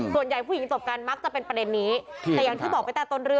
ส่วนใหญ่ผู้หญิงตอบการมักจะเป็นประเด็นนี้